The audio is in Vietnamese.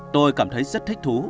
tôi cảm thấy rất thích thú